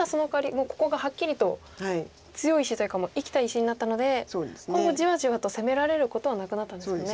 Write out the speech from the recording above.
もうここがはっきりと強い石というか生きた石になったので今後じわじわと攻められることはなくなったんですよね。